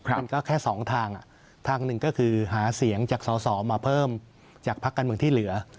มันก็แค่สองทางทางหนึ่งก็คือหาเสียงจากสอสอมาเพิ่มจากพักการเมืองที่เหลือ